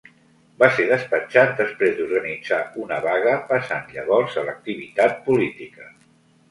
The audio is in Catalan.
Va ser despatxat després d'organitzar una vaga, passant llavors a l'activitat política.